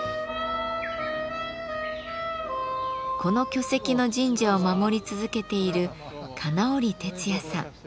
この巨石の神社を守り続けている金折徹也さん。